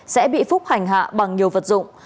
sẽ bị phúc hành hạ bằng nhiều vật dụng